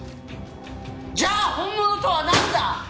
じゃあ本物とはなんだ！？